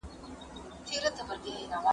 زه به لوښي وچولي وي